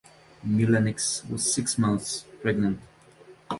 Mullenix was six months pregnant.